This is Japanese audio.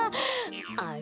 あれ？